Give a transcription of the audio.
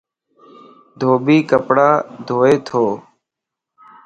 ڌوڀي ڪپڙا ڌوئي تو.